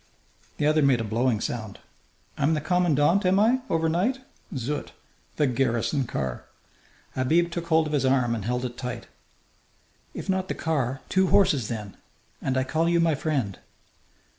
The other made a blowing sound. "I'm the commandant, am I, overnight? Zut! The garrison car!" Habib took hold of his arm and held it tight. "If not the car, two horses, then. And I call you my friend."